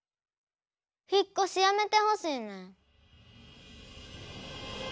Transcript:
引っこしやめてほしいねん。